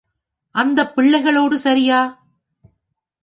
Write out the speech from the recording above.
அந்தப் பிள்ளைகளோடு சரியா?